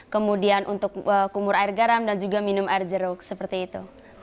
kemudian untuk kumur air garam dan juga minum air jeruk seperti itu